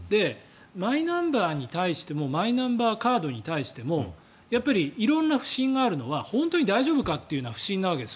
マイナンバーに対してもマイナンバーカードに対してもやっぱり色んな不信があるのは本当に大丈夫かというのが不信なわけです。